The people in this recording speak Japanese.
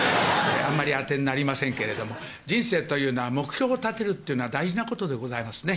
あんまりあてになりませんけれども、人生というのは目標を立てるというのは大事なことでございますね。